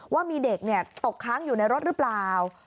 ว่ามีเด็กตกค้างอยู่ในรถหรือเปล่า